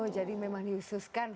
jadi memang diususkan